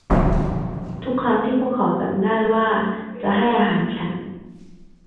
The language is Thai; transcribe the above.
ทุกครั้งที่พวกเขาจำได้ว่าจะให้อาหารฉัน